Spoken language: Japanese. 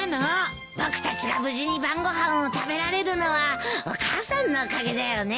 僕たちが無事に晩ご飯を食べられるのはお母さんのおかげだよね。